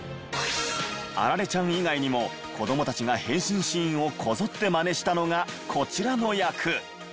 アラレちゃん以外にも子どもたちが変身シーンをこぞってマネしたのがこちらの役。